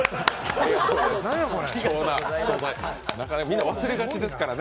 貴重な素材、みんな忘れがちですからね。